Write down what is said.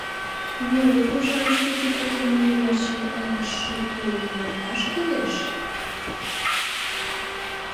Ну, ужам, шке титакемлан верчын ылыжше тулым йӧрташ кӱлеш.